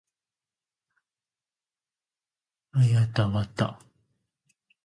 はやたわた